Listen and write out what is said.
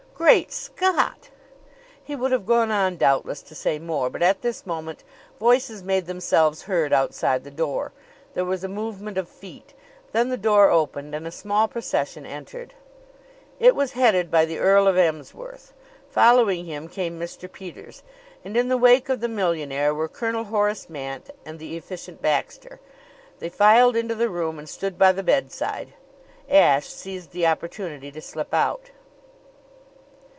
"Great Scott!" He would have gone on, doubtless, to say more; but at this moment voices made themselves heard outside the door. There was a movement of feet. Then the door opened and a small procession entered. It was headed by the Earl of Emsworth. Following him came Mr. Peters. And in the wake of the millionaire were Colonel Horace Mant and the Efficient Baxter. They filed into the room and stood by the bedside. Ashe seized the opportunity to slip out.